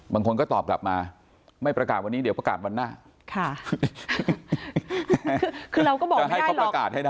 บางคนก็ตอบกลับมาไม่ประกาศวันนี้เดี๋ยวประกาศวันหน้า